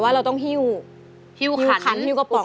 แต่ต้องหิ้วไฮคอน